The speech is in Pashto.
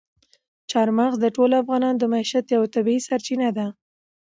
چار مغز د ټولو افغانانو د معیشت یوه طبیعي سرچینه ده.